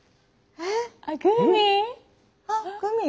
えっ？